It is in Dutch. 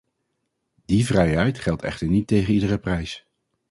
Die vrijheid geldt echter niet tegen iedere prijs.